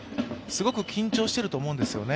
すごく緊張していると思うんですよね。